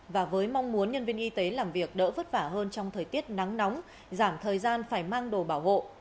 và với mong muốn nhân viên y tế làm việc đỡ vất vả hơn trong thời tiết nắng nóng giảm thời gian phải mang đồ bảo hộ